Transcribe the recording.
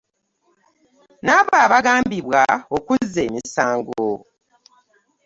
N'abo abagambibwa okuzza emisango.